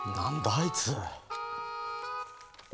あいつ。